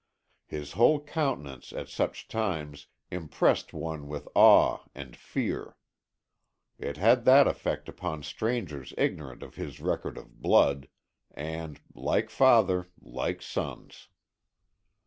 His whole countenance at such times impressed one with awe and fear. It had that effect upon strangers ignorant of his record of blood. And like father like sons.